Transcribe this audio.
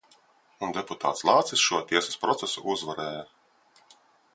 Un deputāts Lācis šo tiesas procesu uzvarēja.